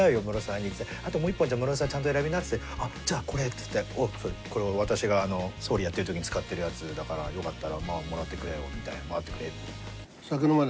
「あともう１本じゃあムロさんちゃんと選びな」っつって「じゃあこれ」っつって「おう。これは私が総理やってるときに使ってるやつだからよかったらまあもらってくれよ」みたいな。